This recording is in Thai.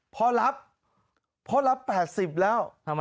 พ่อลับ๘๐แล้ว